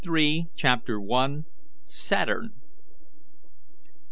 CHAPTER I. SATURN.